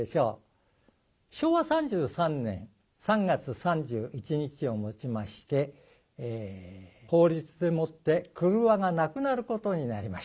昭和３３年３月３１日をもちまして法律でもって郭がなくなることになりました。